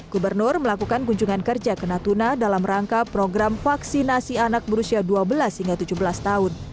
gubernur melakukan kunjungan kerja ke natuna dalam rangka program vaksinasi anak berusia dua belas hingga tujuh belas tahun